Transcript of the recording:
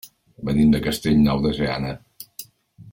Venim de Castellnou de Seana.